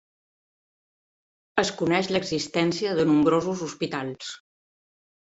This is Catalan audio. Es coneix l'existència de nombrosos hospitals.